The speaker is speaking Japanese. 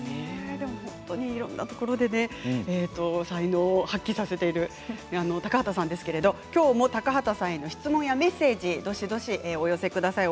いろんなところで才能を発揮させている高畑さんですけれど、きょうも高畑さんへの質問やメッセージどしどしお寄せください。